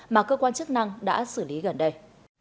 mà cơ quan chức năng đã xử lý gần đây